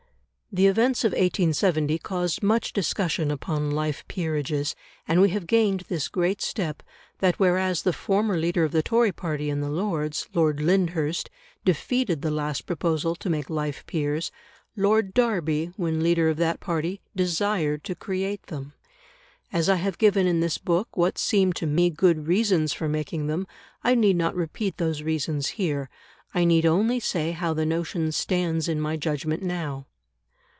The events of 1870 caused much discussion upon life peerages, and we have gained this great step, that whereas the former leader of the Tory party in the Lords Lord Lyndhurst defeated the last proposal to make life peers, Lord Derby, when leader of that party, desired to create them. As I have given in this book what seemed to me good reasons for making them, I need not repeat those reasons here; I need only say how the notion stands in my judgment now.